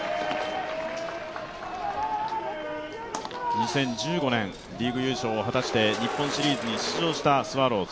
２０１５年、リーグ優勝を果たして日本シリーズに出場したスワローズ。